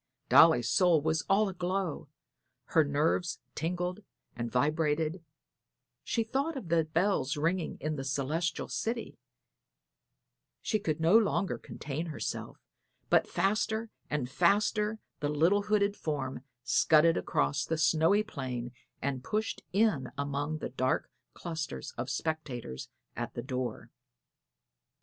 _" Dolly's soul was all aglow her nerves tingled and vibrated; she thought of the bells ringing in the celestial city; she could no longer contain herself, but faster and faster the little hooded form scudded across the snowy plain and pushed in among the dark cluster of spectators at the door.